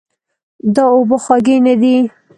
دا اوبه خوږې نه دي.